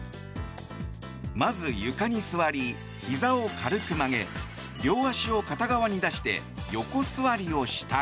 まず、床に座りひざを軽く曲げ両足を片側に出して横座りをしたら。